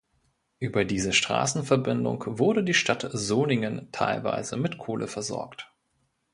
Über diese Straßenverbindung wurde die Stadt Solingen teilweise mit Kohle versorgt.